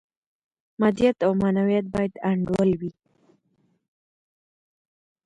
مادیات او معنویات باید انډول وي.